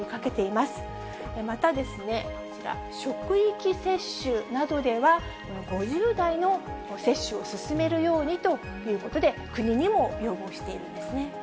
またですね、こちら、職域接種などでは５０代の接種を進めるようにということで、国にも要望しているんですね。